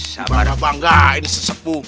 sabarabangga ini sesepu